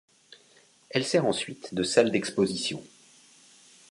Elle sert ensuite de salle d'exposition.